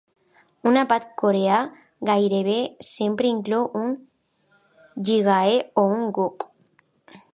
Un àpat coreà gairebé sempre inclou un "jjigae" o un "guk".